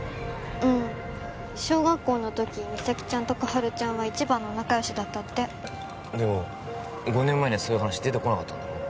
うん小学校の時実咲ちゃんと心春ちゃんは一番の仲よしだったってでも５年前にはそういう話出てこなかったんだろ？